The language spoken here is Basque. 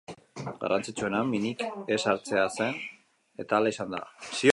Garrantzitsuena minik ez hartzea zen, eta hala izan da.